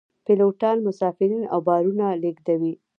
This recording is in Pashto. پیلوټان مسافرین او بارونه لیږدوي